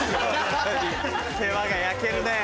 世話が焼けるね。